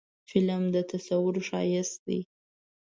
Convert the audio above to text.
فلم د تصور ښایست دی